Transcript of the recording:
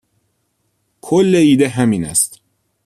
کل ایده همین است.